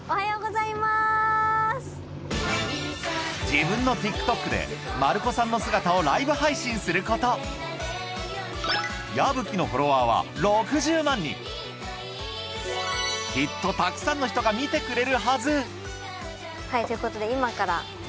自分のＴｉｋＴｏｋで圓子さんの姿をライブ配信すること矢吹のフォロワーは６０万人きっとたくさんの人が見てくれるはず